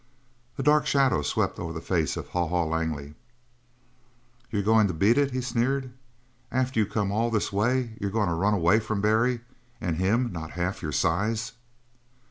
A dark shadow swept over the face of Haw Haw Langley. "You're going to beat it?" he sneered. "After you come all this way you're going to run away from Barry? And him not half your size?"